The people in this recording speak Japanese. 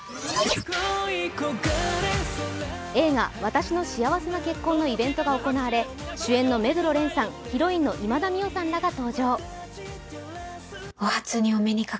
映画「わたしの幸せな結婚」のイベントが行われ、主演の目黒蓮さん、ヒロインの今田美桜さんらが登場。